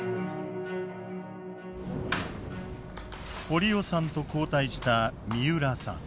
堀尾さんと交代した三浦さん。